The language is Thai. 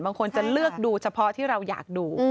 บางคนจะเลือกดูเฉพาะที่เราอยากดู